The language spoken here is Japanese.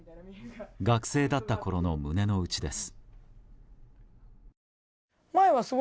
学生だったころの胸の内です。